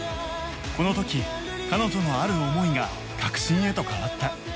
この時彼女のある思いが確信へと変わった